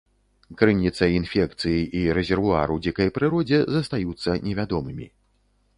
Крыніца інфекцыі і рэзервуар у дзікай прыродзе застаюцца невядомымі.